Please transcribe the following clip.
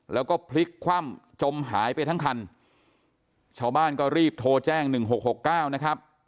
แล้วก็พลิกคว่ำจมหายไปทั้งคันชาวบ้านก็รีบโทรแจ้ง๑๖๖๙นะครับ